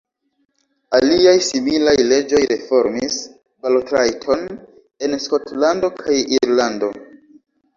Aliaj similaj leĝoj reformis balotrajton en Skotlando kaj Irlando.